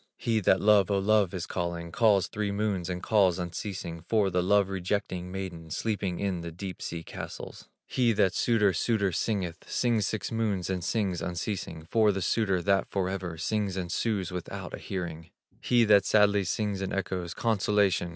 He that "Love! O Love!" is calling, Calls three moons and calls unceasing, For the love rejecting maiden Sleeping in the deep sea castles. He that "Suitor! Suitor!" singeth, Sings six moons and sings unceasing For the suitor that forever Sings and sues without a hearing. He that sadly sings and echoes, "Consolation!